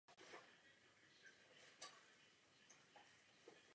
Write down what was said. Je autorem sousoší "Kosmonauti" na pražském Chodově u stanice metra Háje.